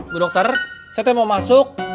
bu dokter saya mau masuk